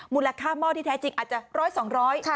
มูลค่าหม้อที่แท้จริงอาจจะร้อยสองร้อย